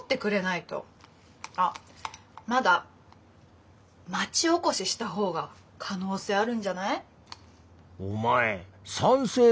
あっまだ町おこしした方が可能性あるんじゃない？